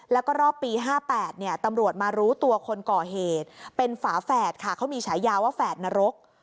แล้วก็รอบปี๕๘ตำรวจมารู้ตัวคนก่อเหตุเป็นฝาแฝดค่ะเขามีฉายาว่าแฝดนรก